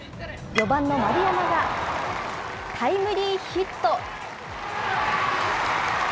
４番の丸山がタイムリーヒット。